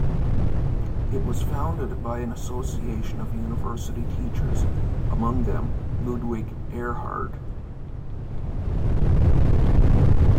It was founded by an association of university teachers, among them Ludwig Erhard.